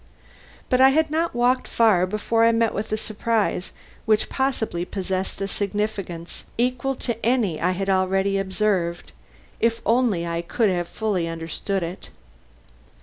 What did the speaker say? But I had not walked far before I met with a surprise which possibly possessed a significance equal to anything I had already observed, if only I could have fully understood it.